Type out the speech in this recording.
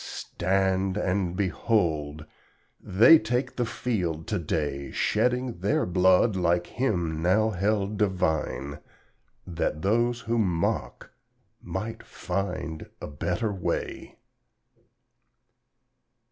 Stand and behold! They take the field to day, Shedding their blood like Him now held divine, That those who mock might find a better way!